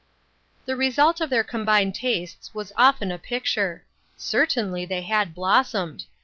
The result of their combined tastes was often a picture. Certainly they had blossomed